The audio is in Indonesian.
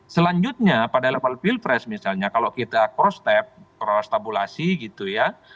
selanjutnya pada level pilpres misalnya kalau kita cross step cross tabulasi gitu ya